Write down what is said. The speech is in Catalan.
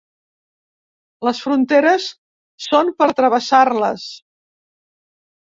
Les fronteres són per travessar-les.